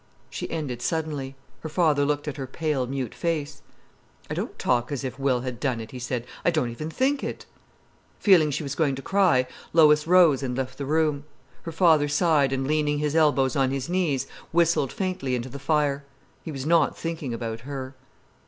She ended suddenly. Her father looked at her pale, mute face. "I don't talk as if Will had done it," he said. "I don't even think it." Feeling she was going to cry, Lois rose and left the room. Her father sighed, and leaning his elbows on his knees, whistled faintly into the fire. He was not thinking about her.